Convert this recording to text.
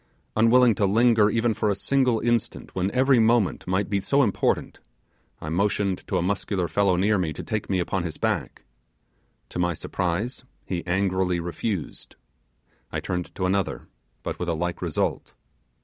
Unwilling to linger even for a single instant when every moment might be so important, I motioned to a muscular fellow near me to take me upon his back; to my surprise he angrily refused. I turned to another, but with a like result.